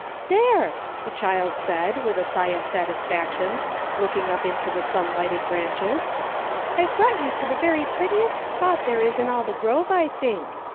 " There !" the child said, with a sigh of satis faction, looking up into the sun lighted branches, " I've brought you to the very prettiest spot there is in all the grove, I think.